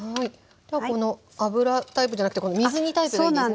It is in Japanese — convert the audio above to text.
この油タイプじゃなくてこの水煮タイプがいいんですね？